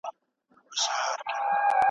کتابتونونو ته ولاړ سئ.